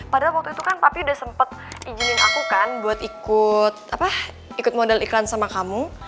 padahal waktu itu kan tapi udah sempet izinin aku kan buat ikut model iklan sama kamu